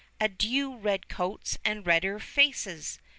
Adieu, red coats, and redder faces!